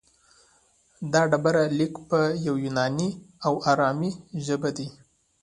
دا ډبرلیک په یوناني او ارامي ژبه دی